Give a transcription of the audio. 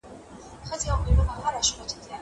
زه د کتابتون د کار مرسته نه کوم.